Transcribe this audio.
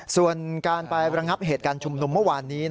ส่วนการไประงับเหตุการณ์ชุมนุมเมื่อวานนี้